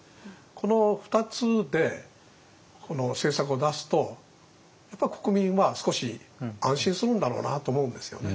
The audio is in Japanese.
この２つで政策を出すとやっぱり国民は少し安心するんだろうなと思うんですよね。